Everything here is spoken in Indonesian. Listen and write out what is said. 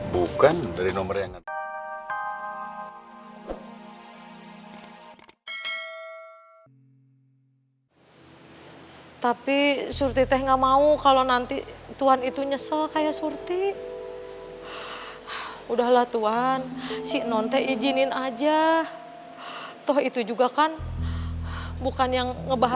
bukan dari nomor yang